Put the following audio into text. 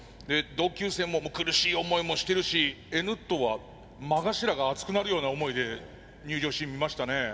同級生も苦しい思いもしてるしＮットーは目頭が熱くなるような思いで入場シーン見ましたね。